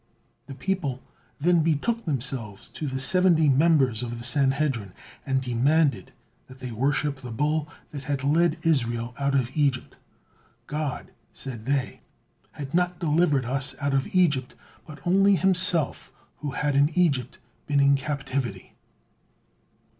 The people then betook themselves to the seventy members of the Sanhedrin and demanded that they worship the bull that had led Israel out of Egypt. "God," said they, "had not delivered us out of Egypt, but only Himself, who had in Egypt been in captivity."